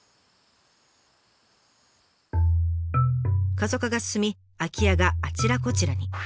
過疎化が進み空き家があちらこちらに。